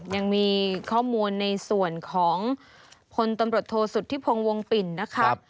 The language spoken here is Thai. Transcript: ยังมีข้อมูลในส่วนของพลตำรวจโทษสุธิพงศ์วงปิ่นนะครับ